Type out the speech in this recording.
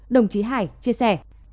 đồng chí hải chia sẻ